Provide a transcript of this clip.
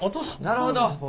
なるほど。